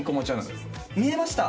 見えました。